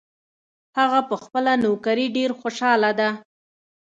هغه په خپله نوکري ډېر خوشحاله ده